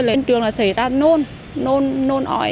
lên trường là xảy ra nôn nôn nôn ói